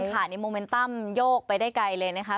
ค่ะนี่โมเมนตั้มโยกไปได้ไกลเลยนะคะ